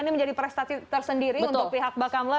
ini menjadi prestasi tersendiri untuk pihak bakamla